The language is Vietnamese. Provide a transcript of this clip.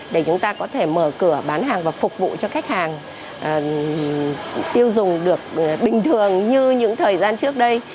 để chúng ta có thể mở cửa bán hàng và phục vụ cho khách hàng tiêu dùng được bình thường như những thời gian trước đây